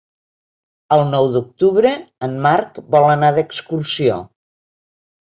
El nou d'octubre en Marc vol anar d'excursió.